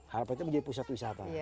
harapannya menjadi pusat wisata